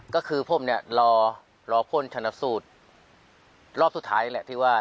ก็คือผมเนี่ยรอผลชนสูตรรอบสุดท้ายแหละที่ว่า